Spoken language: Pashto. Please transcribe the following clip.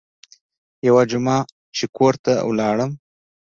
يوه جمعه چې کور ته ولاړم.